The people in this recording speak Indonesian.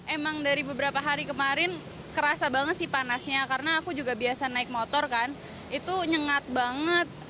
emang dari beberapa hari kemarin kerasa banget sih panasnya karena aku juga biasa naik motor kan itu nyengat banget